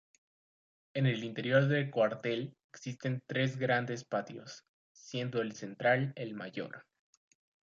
En el interior del cuartel existen tres grandes patios, siendo el central el mayor.